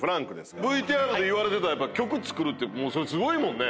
ＶＴＲで言われてた曲作るってそれすごいもんね。